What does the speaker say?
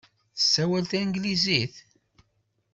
Tessawal tanglizit?